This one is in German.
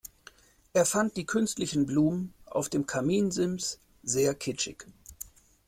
Er fand die künstlichen Blumen auf dem Kaminsims sehr kitschig.